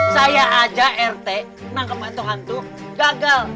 saya aja rt nangkep hantu hantu gagal